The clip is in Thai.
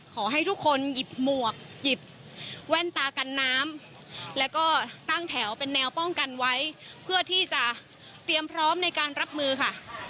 ขอให้ทุกคนหยิบหมวกหยิบแว่นตากันน้ำแล้วก็ตั้งแถวเป็นแนวป้องกันไว้เพื่อที่จะเตรียมพร้อมในการรับมือค่ะ